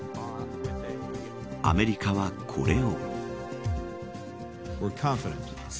アメリカは、これを。